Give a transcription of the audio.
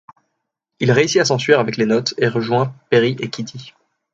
Il réussit à s’enfuir avec les notes et rejoint Perry et Kitty.